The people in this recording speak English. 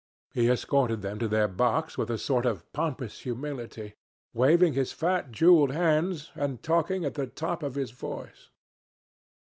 He escorted them to their box with a sort of pompous humility, waving his fat jewelled hands and talking at the top of his voice.